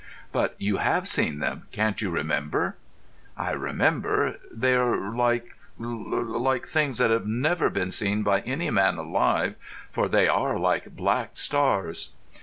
"But you have seen them. Can't you remember?" "I remember. They are like—like things that have never been seen by any man alive, for they are like black stars."